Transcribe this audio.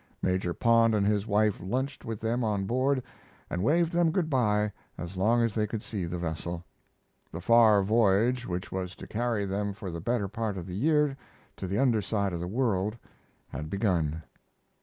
Major Pond and his wife lunched with them on board and waved them good by as long as they could see the vessel. The far voyage which was to carry them for the better part of the year to the under side of the world had begun.